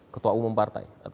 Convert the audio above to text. ketua umum partai